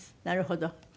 なるほど。